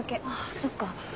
あそっか。